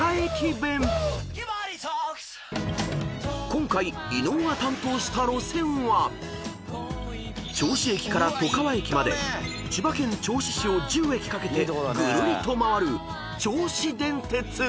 ［今回伊野尾が担当した路線は銚子駅から外川駅まで千葉県銚子市を１０駅かけてぐるりと回る］